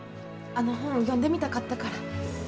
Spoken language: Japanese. あの本読んでみたかったから。